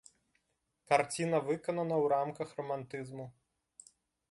Карціна выканана ў рамках рамантызму.